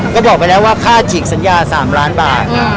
ก็บอกไปแล้วว่าค่าฉีกสัญญา๓ล้านบาท